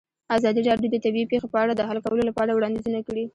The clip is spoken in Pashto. ازادي راډیو د طبیعي پېښې په اړه د حل کولو لپاره وړاندیزونه کړي.